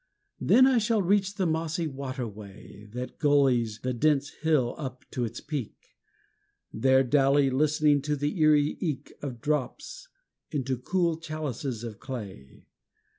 Then I shall reach the mossy water way That gullies the dense hill up to its peak, There dally listening to the eerie eke Of drops into cool chalices of clay.